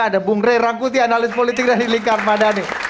ada bung rey rangkuti analis politik dari lingkar madani